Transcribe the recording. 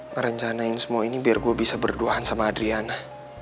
merencanain semua ini biar gue bisa berdoaan sama adriana